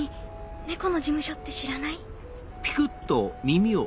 猫の事務所って知らない？